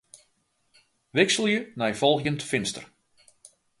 Wikselje nei folgjend finster.